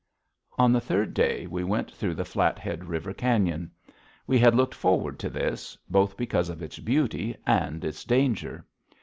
On the third day, we went through the Flathead River cañon. We had looked forward to this, both because of its beauty and its danger.